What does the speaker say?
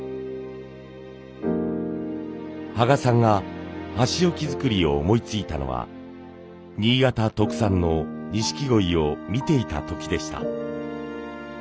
羽賀さんが箸置き作りを思いついたのは新潟特産の錦鯉を見ていた時でした。